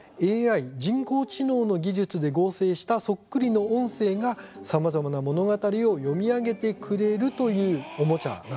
ＡＩ＝人工知能の技術で合成したそっくりの音声が、さまざまな物語を読み上げてくれるというおもちゃなんです。